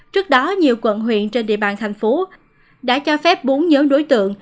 trước đó nhiều quận huyện trên địa bàn thành phố đã cho phép bốn nhóm đối tượng